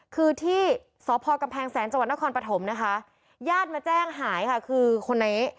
คือที่สพกำแพงแสนจังหวัดนครปฐมนะคะญาติมาแจ้งหายค่ะคือคนนี้